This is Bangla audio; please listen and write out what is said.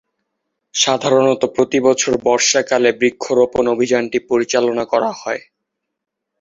সাধারণত প্রতিবছর বর্ষাকালে বৃক্ষরোপণ অভিযানটি পরিচালনা করা হয়।